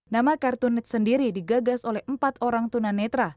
nama kartunet sendiri digagas oleh empat orang tuna netra